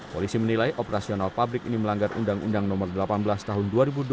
polisi menilai operasional pabrik ini melanggar undang undang nomor delapan belas tahun dua ribu dua puluh